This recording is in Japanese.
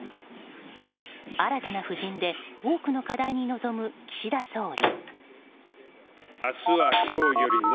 新たな布陣で多くの課題に臨む岸田総理。